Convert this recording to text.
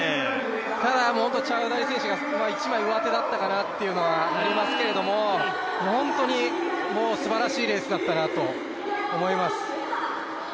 ただ、チャウダリ選手が一枚うわてだったかなというのはありますけど本当にすばらしいレースだったなと思います。